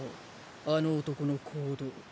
あの男の行動。